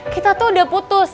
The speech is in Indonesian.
kita tuh udah putus